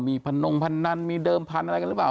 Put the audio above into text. มีพนงพนันมีเดิมพันธุ์อะไรกันหรือเปล่า